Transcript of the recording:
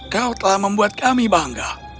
kau telah membuat kami bangga